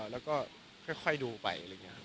แล้วก็ค่อยดูไป